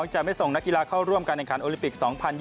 จะไม่ส่งนักกีฬาเข้าร่วมการแข่งขันโอลิปิก๒๐๒๐